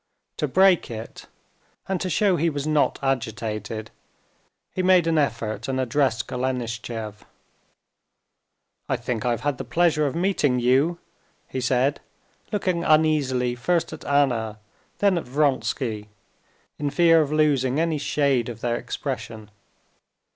To break it, and to show he was not agitated, he made an effort and addressed Golenishtchev. "I think I've had the pleasure of meeting you," he said, looking uneasily first at Anna, then at Vronsky, in fear of losing any shade of their expression.